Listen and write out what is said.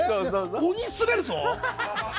鬼スベるぞ！